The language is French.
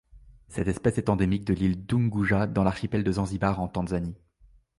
Cette espèce est endémique de l'île d'Unguja dans l'archipel de Zanzibar en Tanzanie.